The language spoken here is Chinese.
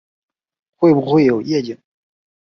会不会有夜景